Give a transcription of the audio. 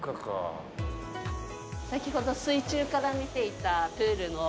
先ほど水中から見ていたプールの。